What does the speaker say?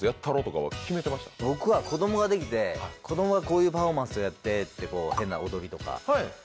僕は子供ができて子供がこういうパフォーマンスやってって。